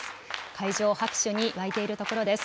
会場、拍手に沸いているところです。